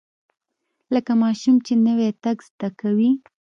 لکه ماشوم چې نوى تګ زده کوي.